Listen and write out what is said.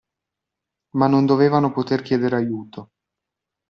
Ma non dovevano poter chiedere aiuto.